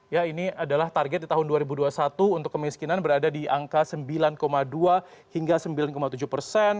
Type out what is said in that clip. ya ini adalah target di tahun dua ribu dua puluh satu untuk kemiskinan berada di angka sembilan dua hingga sembilan tujuh persen